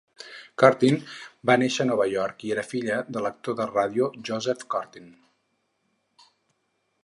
Curtin va néixer a Nova York i era filla de l'actor de ràdio Joseph Curtin.